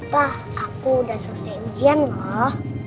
pak aku udah selesai ujian loh